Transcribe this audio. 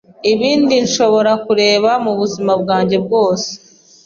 Ibindi shoborakureba mubuzima bwanjye bwose